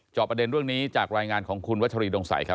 ประเด็นเรื่องนี้จากรายงานของคุณวัชรีดงสัยครับ